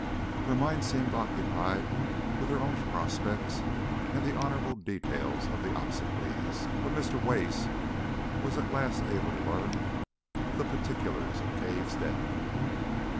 Her mind seemed occupied with her own prospects and the honourable details of the obsequies, but Mr. Wace was at last able to learn the particulars of Cave's death.